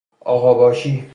آغاباشی